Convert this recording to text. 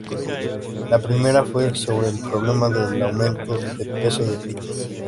La primera, fue sobre el problema del aumento de peso de Peter.